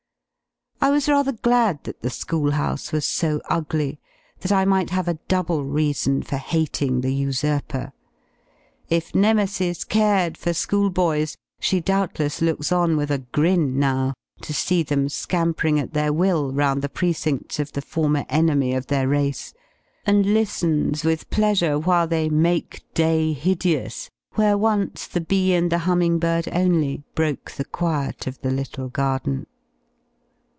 I was rather glad that the school house was so ugly, that I might have a double reason for hating the usurper. If Nemesis cared for school boys, she doubtless looks on with a grin, now, to see them scampering at their will round the precincts of the former enemy of their race, and listens with pleasure while they "make day hideous" where once the bee and the humming bird only broke the quiet of the little garden.